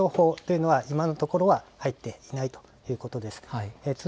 ただ、けが人の情報というのは今のところ入っていないということです。